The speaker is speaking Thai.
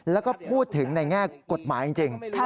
แล้วก็พูดถึงในแง่กฎหมายจริง